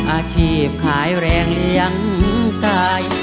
อาชีพขายแรงเลี้ยงกาย